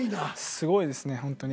すごいですねほんとに。